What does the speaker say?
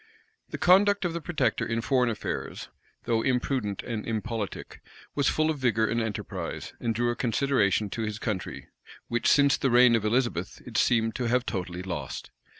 The conduct of the protector in foreign affairs, though imprudent and impolitic, was full of vigor and enterprise, and drew a consideration to his country, which, since the reign of Elizabeth, it seemed to have totally lost.